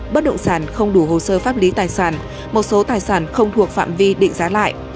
bất động sản không đủ hồ sơ pháp lý tài sản một số tài sản không thuộc phạm vi định giá lại